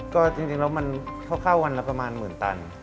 ก็จริงแล้วมันคร่าววันละประมาณหมื่นตัน